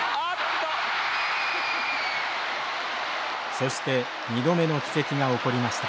そして２度目の奇跡が起こりました。